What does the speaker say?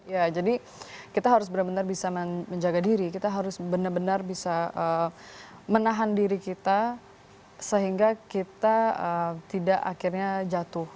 ya jadi kita harus benar benar bisa menjaga diri kita harus benar benar bisa menahan diri kita sehingga kita tidak akhirnya jatuh